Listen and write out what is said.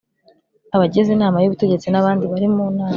Abagize Inama y Ubutegetsi n abandi bari mu nama